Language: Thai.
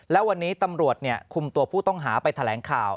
และวันนี้ตำรวจคุมตัวผู้ต้องหาไปแถลงข่าว